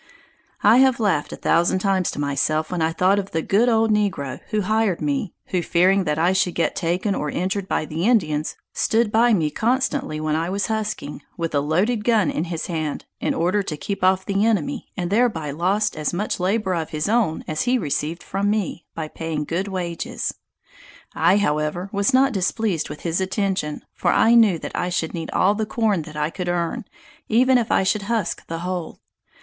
I have laughed a thousand times to myself when I have thought of the good old negro, who hired me, who fearing that I should get taken or injured by the Indians, stood by me constantly when I was husking, with a loaded gun in his hand, in order to keep off the enemy, and thereby lost as much labor of his own as he received from me, by paying good wages. I, however, was not displeased with his attention; for I knew that I should need all the corn that I could earn, even if I should husk the whole.